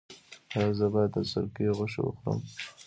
ایا زه باید د زرکې غوښه وخورم؟